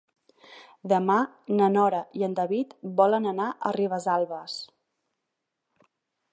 Demà na Nora i en David volen anar a Ribesalbes.